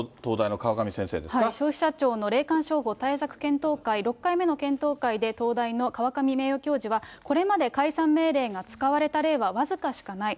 消費者庁の霊感商法対策検討会、６回目の検討会で、東大の河上名誉教授は、これまで解散命令が使われた例は僅かしかない。